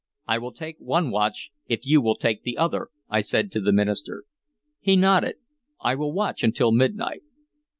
"I will take one watch, if you will take the other," I said to the minister. He nodded. "I will watch until midnight."